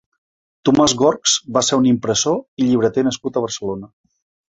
Tomàs Gorchs va ser un impressor i llibreter nascut a Barcelona.